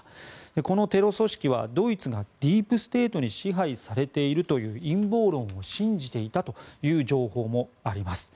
このテロ組織はドイツがディープ・ステートに支配されているという陰謀論を信じていたという情報もあります。